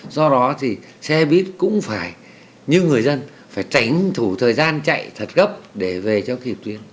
do đó thì xe buýt cũng phải như người dân phải tránh thủ thời gian chạy thật gấp để về cho kịp tuyến